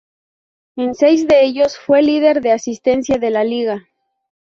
En seis de ellos fue líder de asistencias de la liga.